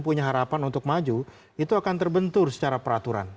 punya harapan untuk maju itu akan terbentur secara peraturan